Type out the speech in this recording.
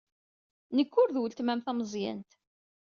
Nekk ur d weltma-m tameẓyant.